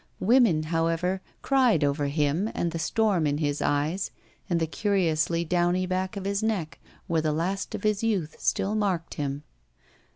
Women, however, cried over him and the storm 278 ROULETTE in his eyes and the curiously downy back of his neck where the last of his youth still marked him.